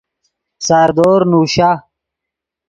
ساردور نوشا